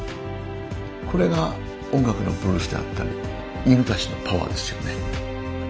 これが音楽のブルースであったり犬たちのパワーですよね。